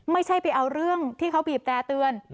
ไม่ใช่ไปเอาเรื่องที่เขาบีบแต่เตือน